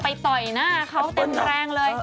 ต่อยหน้าเขาเต็มแรงเลย